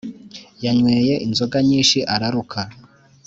Yanyweye inzoga nyinshi araruka